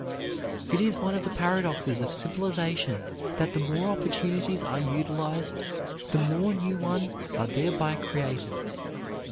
It is one of the paradoxes of civilization that the more opportunities are utilized, the more new ones are thereby created.